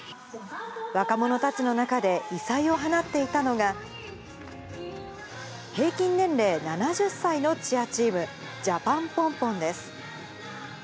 若者たちの中で、異彩を放っていたのが、平均年齢７０歳のチアチーム、ジャパンポンポンです。